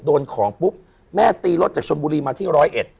โดนของปุ๊บแม่ตีรถจากชนบุรีมาที่ร้อยเอ็ด